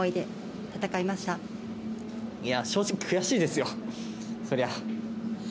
いやー、正直悔しいですよ、そりゃ。